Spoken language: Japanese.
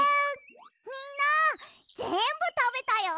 みんなぜんぶたべたよ。